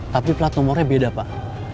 tapi plat nomornya beda pak